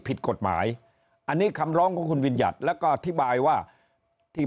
ผิดกฎหมายอันนี้คำร้องของคุณวิญญัติแล้วก็อธิบายว่าที่